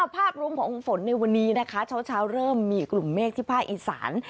ภาพรวมของฝนในวันนี้นะคะเช้าเริ่มมีกลุ่มเมฆที่ภาคอีสาน